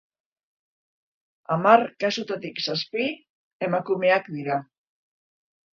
Hamar kasutatik zazpi emakumeak dira.